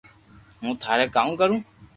ھون ٿاري ڪاو ڪرو